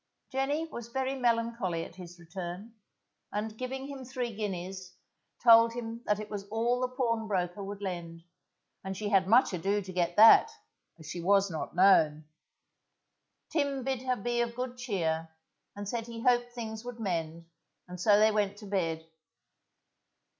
Jenny was very melancholy at his return, and giving him three guineas, told him that it was all the pawnbroker would lend, and she had much ado to get that, as she was not known. Tim bid her be of good cheer, and said he hoped things would mend, and so they went to bed.